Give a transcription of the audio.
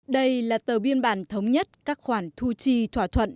đây là tờ biên bản thống nhất các khoản thu chi thỏa thuận